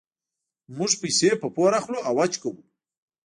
موږ پیسې په پور اخلو او حج کوو.